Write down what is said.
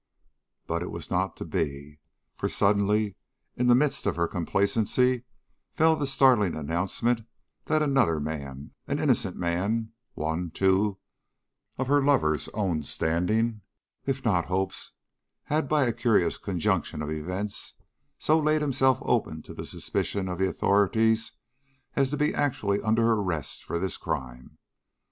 "But this was not to be, for suddenly, in the midst of her complacency, fell the startling announcement that another man an innocent man one, too, of her lover's own standing, if not hopes, had by a curious conjunction of events so laid himself open to the suspicion of the authorities as to be actually under arrest for this crime.